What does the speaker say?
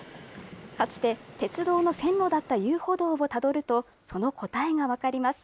かつて、鉄道の線路だった遊歩道をたどると、その答えが分かります。